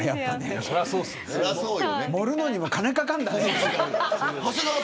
盛るのにも金かかるんだね。